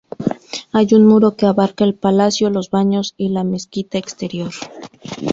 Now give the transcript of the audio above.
Hay un muro que abarca el palacio, los baños y la mezquita exterior.